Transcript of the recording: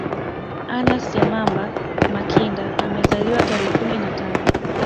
Anna Semamba Makinda amezaliwa tarehe kumi na tano